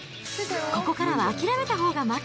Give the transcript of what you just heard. ここからは諦めたほうが負け。